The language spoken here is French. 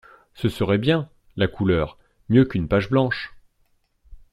Ce serait bien, la couleur, mieux qu’une page blanche.